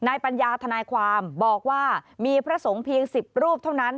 ปัญญาทนายความบอกว่ามีพระสงฆ์เพียง๑๐รูปเท่านั้น